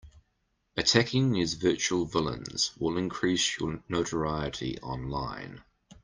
Attacking these virtual villains will increase your notoriety online.